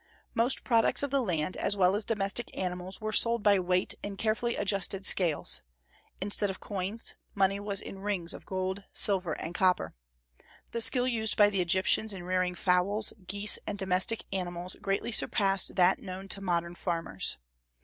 Most products of the land, as well as domestic animals, were sold by weight in carefully adjusted scales. Instead of coins, money was in rings of gold, silver, and copper. The skill used by the Egyptians in rearing fowls, geese, and domestic animals greatly surpassed that known to modern farmers.